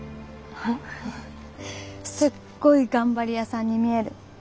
すっごい頑張り屋さんに見える。